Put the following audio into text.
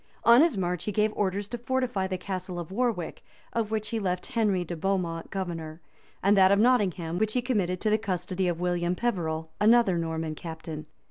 On his march he gave orders to fortify the castle of Warwick, of which he left Henry de Beaumont governor, and that of Nottingham, which he committed to the custody of William Peverell, another Norman captain.